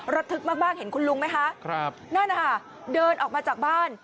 ระทึกมากเห็นคุณลุงไหมคะนั่นนะคะเดินออกมาจากบ้าน